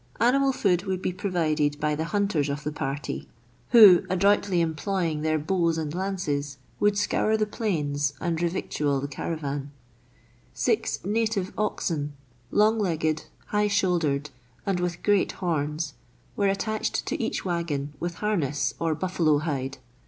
Animal food would be provided by the hunters of the party, who, adroitly employing theil THREE ENGLISHMEN AND THREE RUSSIANS. 51 bows and lances, would scour the plains and revictual the caravan. » Six native oxen, long legged, high shouldered, and with great horns, were attached to each waggon with harness of buffalo hide.